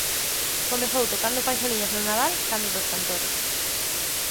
Comezou tocando panxoliñas no Nadal canda dos cantores.